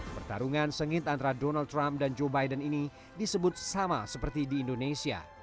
pertarungan sengit antara donald trump dan joe biden ini disebut sama seperti di indonesia